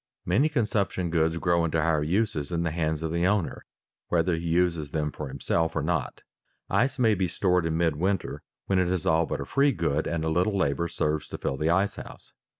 _ Many consumption goods grow into higher uses in the hands of the owner, whether he uses them for himself or not. Ice may be stored in midwinter when it is all but a free good and a little labor serves to fill the ice house.